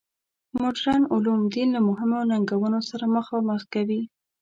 مډرن علوم دین له مهمو ننګونو سره مخ کوي.